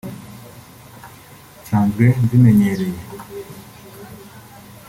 nsanzwe nzimenyereye